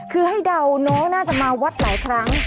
คือให้เดาเนอะน่าจะมาวัดไหนครับ